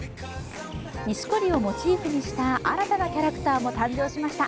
錦織をモチーフにした新たなキャラクターも誕生しました。